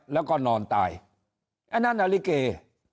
แล้วก็นอนตายอันนั้นอลิเก